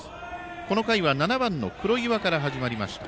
この回は７番の黒岩から始まりました。